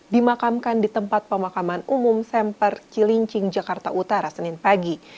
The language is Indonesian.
dimakamkan di tempat pemakaman umum semper cilincing jakarta utara senin pagi